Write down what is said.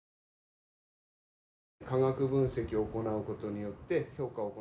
化学分析を行うことによって。